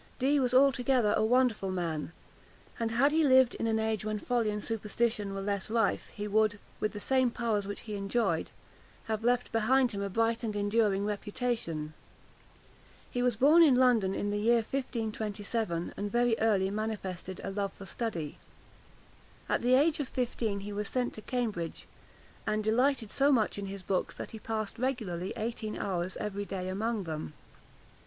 Dee was altogether a wonderful man, and had he lived in an age when folly and superstition were less rife, he would, with the same powers which he enjoyed, have left behind him a bright and enduring reputation. He was born in London in the year 1527, and very early manifested a love for study. At the age of fifteen he was sent to Cambridge, and delighted so much in his books, that he passed regularly eighteen hours every day among them.